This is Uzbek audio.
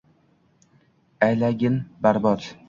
Aylagin barbod.